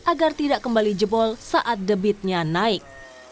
agar tidak kembali jebol saat debitnya naik